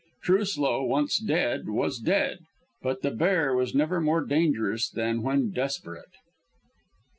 Truslow once dead was dead, but the Bear was never more dangerous than when desperate.